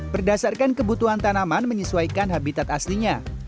berdasarkan kebutuhan tanaman menyesuaikan habitat aslinya